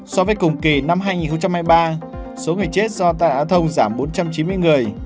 so với cùng kỳ năm hai nghìn hai mươi ba số người chết do tai nạn thông giảm bốn trăm chín mươi người